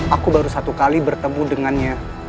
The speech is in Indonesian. aku baru satu kali bertemu dengannya